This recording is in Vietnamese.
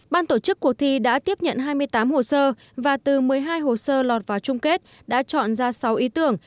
ban tổ chức cuộc thi đã tiếp nhận hai mươi tám hồ sơ và từ một mươi hai hồ sơ lọt vào chung kết đã chọn ra sáu ý tưởng